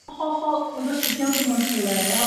会议最后